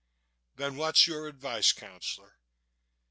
"Then what's your advice, counselor?"